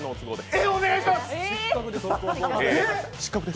えー、お願いします！